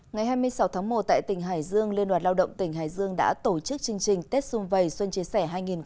ngày hai mươi sáu tháng một tại tỉnh hải dương liên đoàn lao động tỉnh hải dương đã tổ chức chương trình tết xuân vầy xuân chia sẻ hai nghìn hai mươi